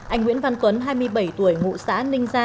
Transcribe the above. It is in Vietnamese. anh nguyễn văn tuấn hai mươi bảy tuổi ngụ xã ninh gia